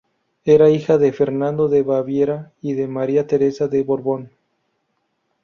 Era hija de Fernando de Baviera y de María Teresa de Borbón.